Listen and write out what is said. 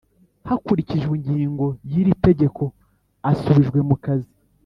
Hakurikijwe ingingo yiri tegeko asubijwe mu kazi